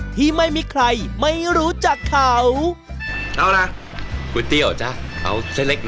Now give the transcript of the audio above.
ที่ไม่มีใครไม่รู้จักเขา